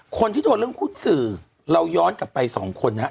คนที่โดนเรื่องหุ้นสื่อเราย้อนกลับไปสองคนนะฮะ